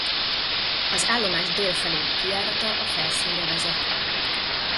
Az állomás dél felőli kijárata a felszínre vezet.